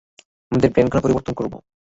আমাদের প্ল্যান কেন পরিবর্তন করব?